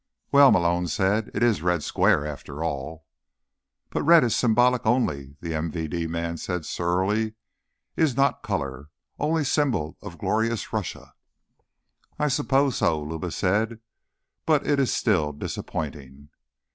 "Well," Malone said, "it is Red Square, after all." "But red is symbolic only," the MVD man said surlily. "Is not color. Only symbol of glorious Russia." "I suppose so," Luba said. "But it's still disappointing."